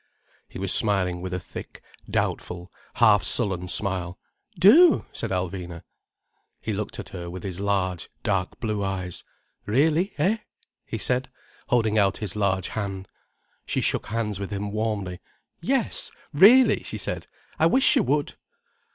He was smiling with a thick, doubtful, half sullen smile. "Do!" said Alvina. He looked at her with his large, dark blue eyes. "Really, eh?" he said, holding out his large hand. She shook hands with him warmly. "Yes, really!" she said. "I wish you would."